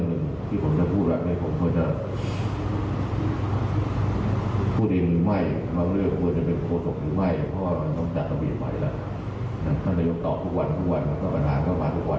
ก็ประมาณเมื่อที่มีประดาษมาทุกวัน